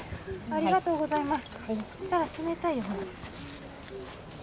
ありがとうございます。